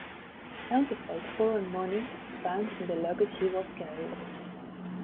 Counterfeit foreign money was found in the luggage he was carrying.